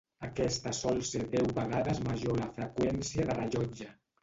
Aquesta sol ser deu vegades major a la freqüència de rellotge.